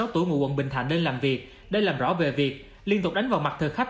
ba mươi tuổi ngụ quận bình thạnh lên làm việc để làm rõ về việc liên tục đánh vào mặt thời khách